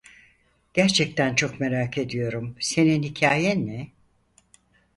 Gerçekten çok merak ediyorum, senin hikâyen ne?